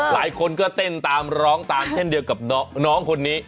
หลายคนก็เต้นตามร้องตามเช่นเดียวกับน้องคนนี้